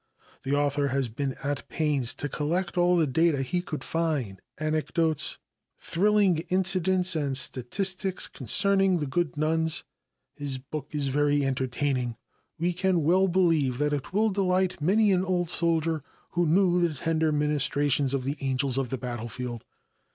The author has been at pains to collect all the data he could find anecdotes, thrilling incidents and statistics concerning the good nuns. His book is very entertaining. We can well believe that it will delight many an old soldier who knew the tender ministrations of the angels of the battlefield.